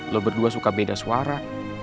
lo berdua suka beda suara